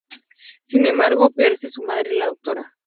Sin embargo Pierce y su madre la Dra.